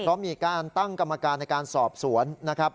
เพราะมีการตั้งกรรมการในการสอบสวนนะครับ